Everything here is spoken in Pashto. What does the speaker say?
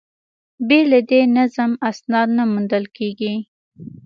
بې له دې نظم، اسناد نه موندل کېږي.